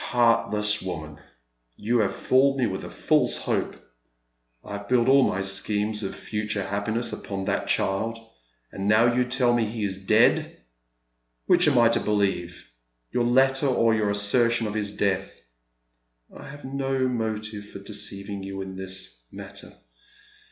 " Heartless woman ! you have fooled me with a falsig hope. I have built all my schemes of future happiness upon that child, and now you tell me he is dead. Which am I to believe, your letter or your assertion of his death ?" "I have no motive for deceiving you in this matter.